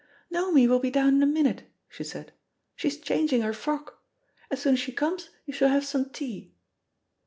"Naomi will be down in a minute/' she said; '^she's changing her frock. As soon as she comes you shall have some tea.''